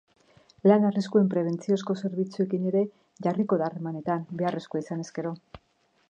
Lan-arriskuen prebentziozko zerbitzuekin ere jarriko da harremanetan, beharrezkoa izanez gero.